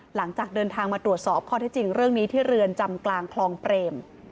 หลังจากเดินทางมาตรวจสอบข้อที่จริงเรื่องนี้ที่เรือนจำกลางคลองเปรม